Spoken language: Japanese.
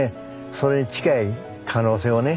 それに近い可能性をね